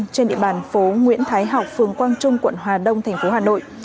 trên địa bàn phố nguyễn thái học phường quang trung quận hà đông thành phố hà nội